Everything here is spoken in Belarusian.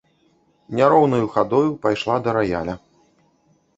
Няроўнаю хадою пайшла да раяля.